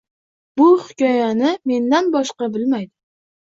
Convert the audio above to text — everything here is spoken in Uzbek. Bu hikoyani mendan boshqa bilmaydi.